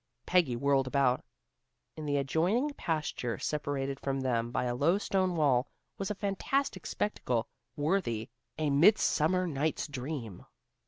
Peggy whirled about. In the adjoining pasture separated from them by a low stone wall, was a fantastic spectacle, worthy a midsummer night's dream.